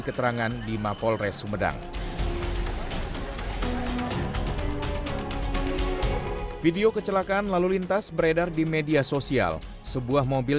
keterangan di mapolres sumedang video kecelakaan lalu lintas beredar di media sosial sebuah mobil